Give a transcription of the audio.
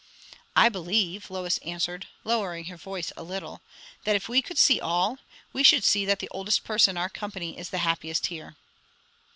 "I believe," Lois answered, lowering her voice a little, "that if we could see all, we should see that the oldest person in our company is the happiest here."